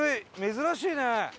珍しいね！